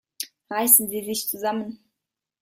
Reißen Sie sich zusammen!